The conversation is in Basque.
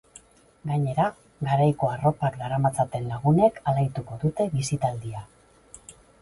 Gainera, garaiko arropak daramatzaten lagunek alaituko dute bisitaldia.